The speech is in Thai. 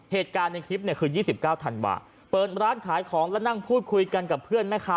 เหตุการณ์ในคลิปเนี่ยคือ๒๙ธันวาเปิดร้านขายของและนั่งพูดคุยกันกับเพื่อนแม่ค้า